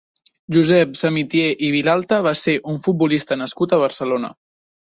Josep Samitier i Vilalta va ser un futbolista nascut a Barcelona.